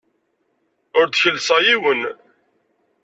Ur d-kellseɣ yiwen.